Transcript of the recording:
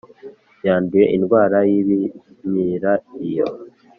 yanduye indwara y ibimyira iyo